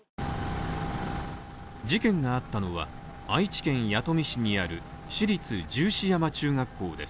事件があったのは、愛知県弥富市にある市立十四山中学校です。